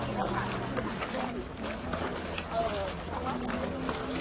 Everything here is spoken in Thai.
มาถ่าย